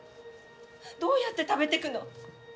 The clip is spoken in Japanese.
どうやって食べてくの。